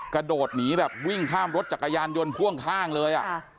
กระโดดหนีแบบวิ่งข้ามรถจักรยานยนต์พ่วงข้างเลย